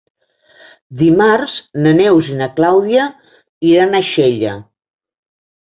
Dimarts na Neus i na Clàudia iran a Xella.